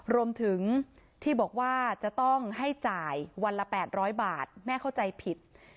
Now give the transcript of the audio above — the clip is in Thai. รวมถึงที่บอกว่าจะต้องให้จ่ายวันละ๘๐๐บาทแม่เข้าใจผิด